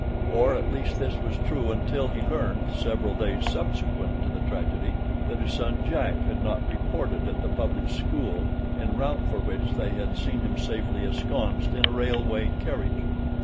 Or at least this was true until he learned, several days subsequent to the tragedy, that his son Jack had not reported at the public school en route for which they had seen him safely ensconced in a railway carriage.